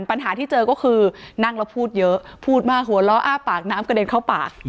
ปัญหาที่เจอก็คือนั่งแล้วพูดเยอะพูดมาหัวล้ออ้าปากน้ำกระเด็นเข้าปาก